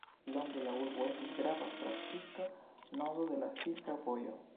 Longe la urbo estis grava trafika nodo de la Silka Vojo.